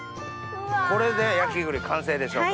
これで焼栗完成でしょうか？